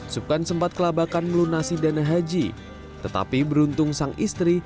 subkan sempat kelabakan melunasi dana haji tetapi beruntung sang istri